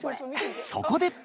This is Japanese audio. そこで。